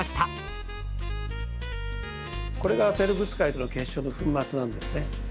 これがペロブスカイトの結晶の粉末なんですね。